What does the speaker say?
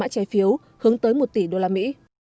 mã trái phiếu hướng tới một tỷ đô la mỹ